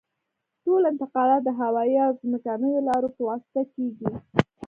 ټول انتقالات د هوایي او ځمکنیو لارو په واسطه کیږي